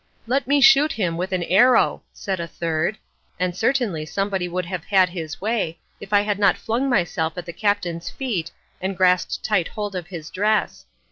"Let me shoot him with an arrow," said a third; and certainly somebody would have had his way if I had not flung myself at the captain's feet and grasped tight hold of his dress.